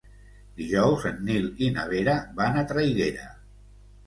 Dijous en Nil i na Vera van a Traiguera.